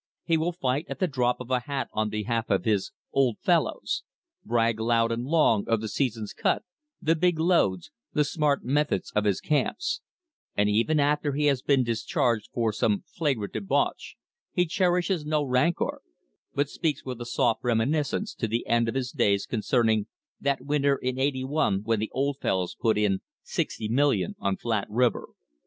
He will fight at the drop of a hat on behalf of his "Old Fellows"; brag loud and long of the season's cut, the big loads, the smart methods of his camps; and even after he has been discharged for some flagrant debauch, he cherishes no rancor, but speaks with a soft reminiscence to the end of his days concerning "that winter in '81 when the Old Fellows put in sixty million on Flat River."